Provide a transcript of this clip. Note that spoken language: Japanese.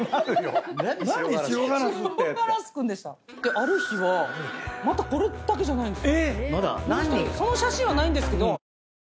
ある日はまたこれだけじゃないんですよ。